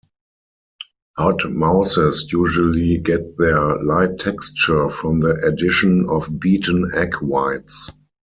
Hot mousses usually get their light texture from the addition of beaten egg whites.